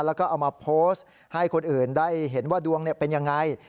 แล้วก็เอามาโพสต์ให้คนอื่นได้เห็นว่าดวงเป็นยังไง